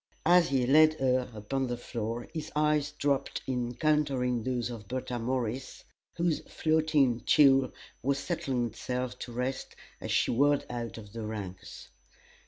As he led her upon the floor his eyes dropped in encountering those of Bertha Morris, whose floating tulle was just settling itself to rest as she whirled out of the ranks.